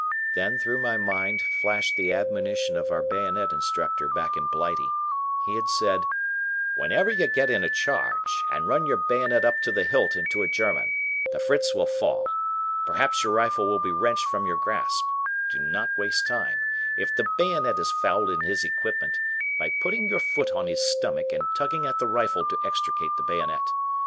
Then through my mind flashed the admonition of our bayonet instructor back in Blighty. He had said, "whenever you get in a charge and run your bayonet up to the hilt into a German, the Fritz will fall. Perhaps your rifle will be wrenched from your grasp. Do not waste time, if the bayonet is fouled in his equipment, by putting your foot on his stomach and tugging at the rifle to extricate the bayonet.